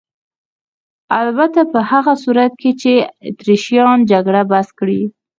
البته په هغه صورت کې چې اتریشیان جګړه بس کړي.